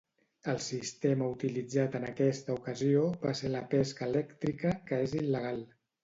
El sistema utilitzat en aquesta ocasió va ser la pesca elèctrica, que és il·legal.